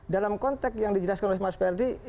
dalam konteks yang dijelaskan oleh mars perti